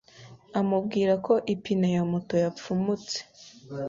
amubwira ko ipine ya moto yapfumutse